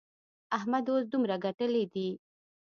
احمد اوس دومره ګټلې دي.